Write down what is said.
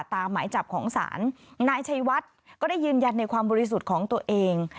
หมายจับของศาลนายชัยวัดก็ได้ยืนยันในความบริสุทธิ์ของตัวเอง